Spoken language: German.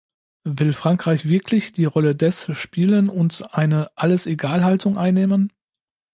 Will Frankreich wirklich die Rolle des spielen und eine Alles-Egal-Haltung einnehmen?